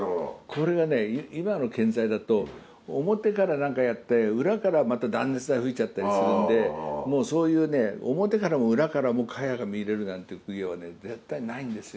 これが今の建材だと表から何かやって裏からまた断熱材ふいちゃったりするんでそういう表からも裏からも茅が見れるなんて家は絶対ないんですよ。